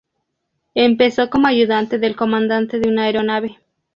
Empezó como ayudante del comandante de una aeronave.